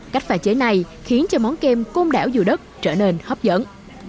cách phải chế này khiến cho món kem côn đảo dừa đất trở nên hấp dẫn